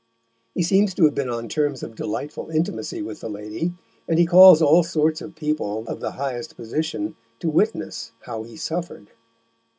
He seems to have been on terms of delightful intimacy with the lady, and he calls all sorts of people of the highest position to witness how he suffered.